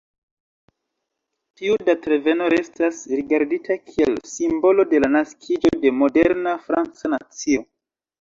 Tiu datreveno restas rigardita kiel simbolo de la naskiĝo de moderna franca nacio.